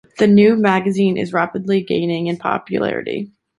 The new magazine is rapidly gaining in popularity.